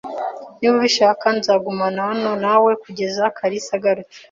Niba ubishaka, nzagumana hano nawe kugeza kalisa agarutse.